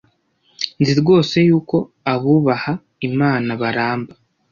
nzi rwose yuko abubaha Imana baramba